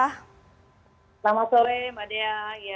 selamat sore mbak dea